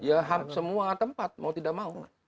ya semua tempat mau tidak mau